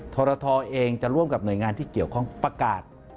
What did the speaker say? ทรทเองจะร่วมกับหน่วยงานที่เกี่ยวข้องประกาศ